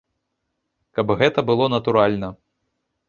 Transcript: Каб гэта было натуральна.